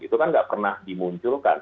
itu kan nggak pernah dimunculkan